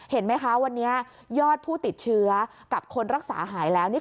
เห็นไหมคะวันนี้ยอดผู้ติดเชื้อกับคนรักษาหายแล้วเนี่ย